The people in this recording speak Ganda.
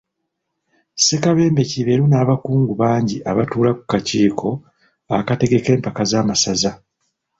Ssekabembe Kiberu n'abakungu bangi abatuula ku kakiiko akategeka empaka z'amasaza.